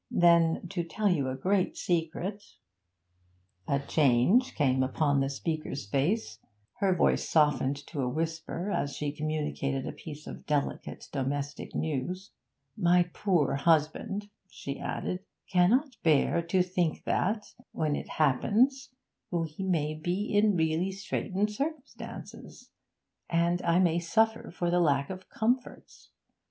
Then, to tell you a great secret ' A change came upon the speaker's face; her voice softened to a whisper as she communicated a piece of delicate domestic news. 'My poor husband,' she added, 'cannot bear to think that, when it happens, we may be in really straitened circumstances, and I may suffer for lack of comforts.